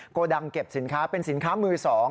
โกดังเก็บสินค้าเป็นสินค้ามือ๒